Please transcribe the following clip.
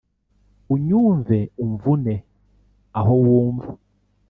unyumve umvune aho wumva